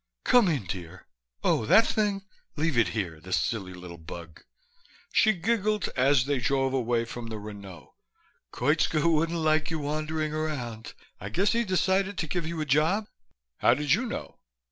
"Come in, dear. Oh, that thing? Leave it here, the silly little bug." She giggled as they drove away from the Renault. "Koitska wouldn't like you wandering around. I guess he decided to give you a job?" "How did you know?"